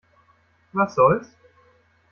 Was soll's?